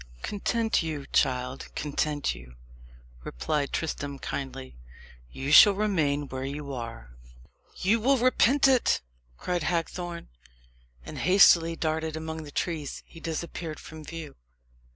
"Content you, child content you," replied Tristram kindly. "You shall remain where you are." "You will repent it!" cried Hagthorne. And hastily darting among the trees, he disappeared from view.